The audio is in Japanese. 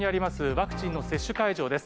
ワクチンの接種会場です。